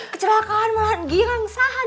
kecelakaan malah gilang sahan